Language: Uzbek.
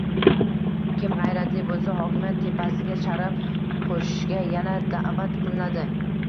Kim g'ayratli bo'lsa, hokimiyat tepasiga sharaf qo'shishga yana da'vat qilinadi